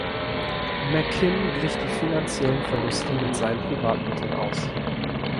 McKim glich die finanziellen Verluste mit seinen Privatmitteln aus.